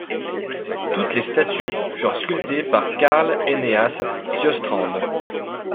Toutes les statues furent sculptées par Carl Eneas Sjöstrand.